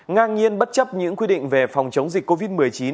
ngang nhiên bất chấp những quy định về phòng chống dịch covid một mươi chín